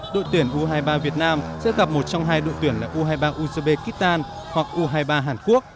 đội tuyển u hai mươi ba việt nam sẽ gặp một trong hai đội tuyển là u hai mươi ba uzbekistan hoặc u hai mươi ba hàn quốc